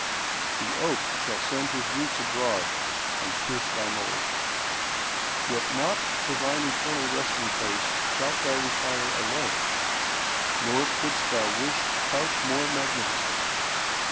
The oakShall send his roots abroad, and pierce thy mould. Yet not to thine eternal resting placeShalt thou retire alone, nor couldst thou wishCouch more magnificent.